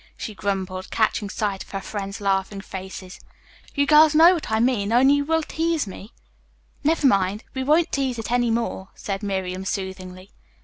she grumbled, catching sight of her friends' laughing faces. "You girls know what I mean, only you will tease me." "Never mind, we won't tease It any more," said Miriam soothingly.